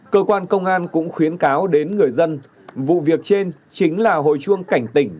cơ quan công an cũng khuyến cáo đến người dân vụ việc trên chính là hội chuông cảnh tỉnh